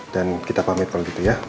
dan kita pamit kalau gitu ya